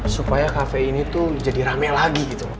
supaya kafe ini tuh jadi rame lagi gitu